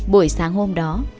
buổi sáng hôm đó